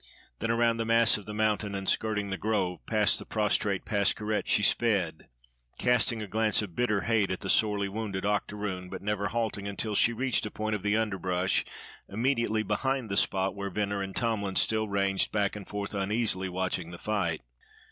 Then around the mass of the mountain and skirting the grove, past the prostrate Pascherette she sped, casting a glance of bitter hate at the sorely wounded octoroon, but never halting until she reached a point of the underbrush immediately behind the spot where Venner and Tomlin still ranged back and forth uneasily watching the fight.